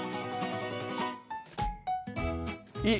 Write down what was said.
いい！